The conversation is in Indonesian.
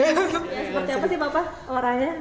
seperti apa sih bapak orangnya